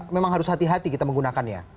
memang harus hati hati kita menggunakannya